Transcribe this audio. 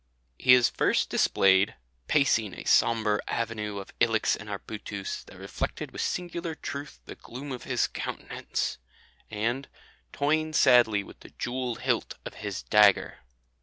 He is first displayed "pacing a sombre avenue of ilex and arbutus that reflected with singular truth the gloom of his countenance," and "toying sadly with the jewelled hilt of his dagger."